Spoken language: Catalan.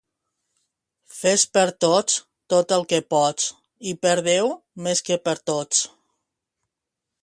Fes per tots tot el que pots i per Déu més que per tots.